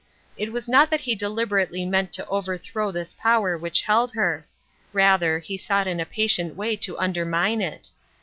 It was not that he deliberately meant to overthrow this power which held her ; rather he sought in a patient way to undermine it.